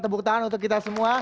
tepuk tangan untuk kita semua